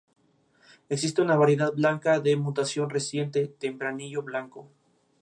Hay evidencias de asentamientos polinesios, pero estaba deshabitada al llegar los europeos.